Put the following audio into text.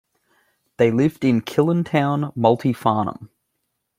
They lived in Killintown, Multyfarnham.